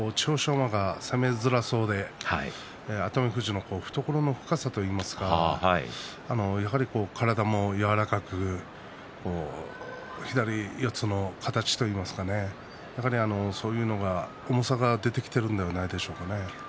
馬が攻めづらそうで熱海富士の懐の深さといいますかやはり体も柔らかく左四つの形といいますかねそういうのが重さが出てきているのではないでしょうかね。